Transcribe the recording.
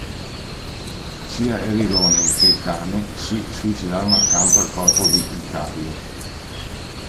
Sia Erigone che il cane si suicidarono accanto al corpo di Icario.